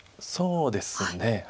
そうですね。